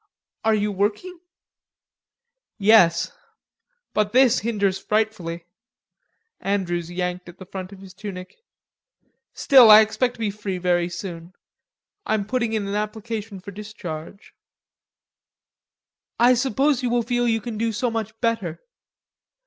"Are you working?" "Yes.... But this hinders frightfully." Andrews yanked at the front of his tunic. "Still, I expect to be free very soon. I'm putting in an application for discharge." "I suppose you will feel you can do so much better....